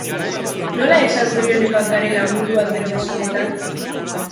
Nola esan zorionekoak garela mundu aldrebes honetan?